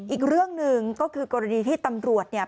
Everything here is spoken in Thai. อีกเรื่องหนึ่งก็คือกรณีที่ตำรวจเนี่ย